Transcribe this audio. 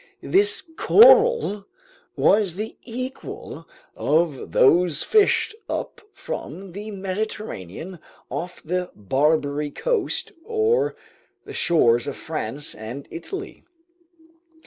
This coral was the equal of those fished up from the Mediterranean off the Barbary Coast or the shores of France and Italy.